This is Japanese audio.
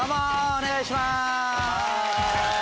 お願いします。